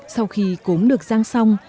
sau khi cốm được rang xong